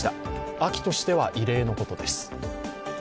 秋としては異例のことです。